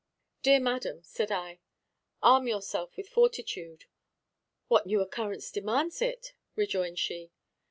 "Dear madam," said I, "arm yourself with fortitude." "What new occurrence demands it?" rejoined she.